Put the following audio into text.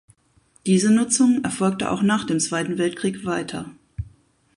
Diese Nutzung erfolgte auch nach dem Zweiten Weltkrieg weiter.